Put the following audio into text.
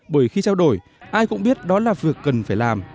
bởi khi trao đổi ai cũng biết đó là việc cần phải làm